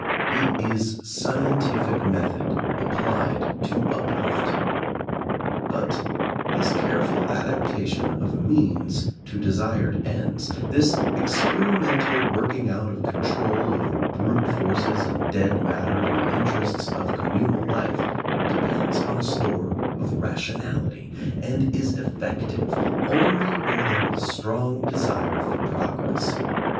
It is scien tific method applied to "uplift." But this care ful adaptation of means to desired ends, this ex perimental working out of control over brute forces and dead matter in the interests of com munal life, depends on a store of rationality, and is effective only where there is strong desire for progress.